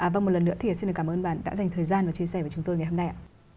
vâng một lần nữa thì xin cảm ơn bà đã dành thời gian và chia sẻ với chúng tôi ngày hôm nay ạ